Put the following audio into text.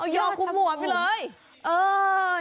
โย่ครูปหัวไปเลย